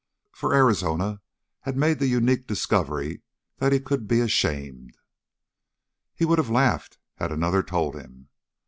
For Arizona had made the unique discovery that he could be ashamed! He would have laughed had another told him.